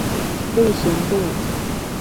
力行路